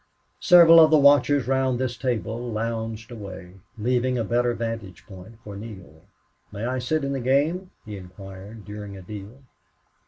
Several of the watchers round this table lounged away, leaving a better vantage place for Neale. "May I sit in the game?" he inquired, during a deal.